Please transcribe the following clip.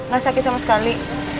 gak sakit sama sekali